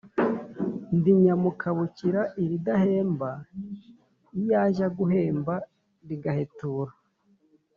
Ndi Nyamukabukira ilidahemba, lyajya guhemba ligahetura